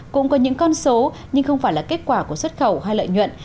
cũng có những con số nhưng không phải là kết quả của xuất khẩu hay lợi nhuận